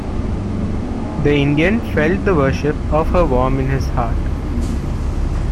The Indian felt the worship of her warm in his heart.